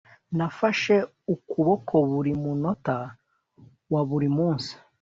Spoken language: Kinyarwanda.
nafashe ukuboko buri munota wa buri munsi